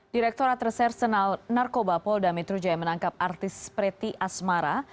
direkturat reserse narkoba paul damitrujaya menangkap artis preti asmara